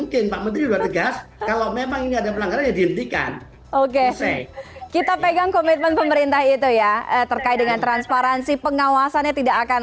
oke kita pegang komitmen pemerintah itu ya terkait dengan transparansi pengawasannya tidak akan